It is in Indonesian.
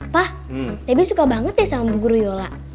pak dabi suka banget ya sama bu guru yola